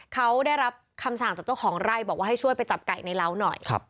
เขาได้รับคำสั่งจากเจ้าของไร่บอกว่าให้ช่วยไปจับไก่ในเล้าหน่อย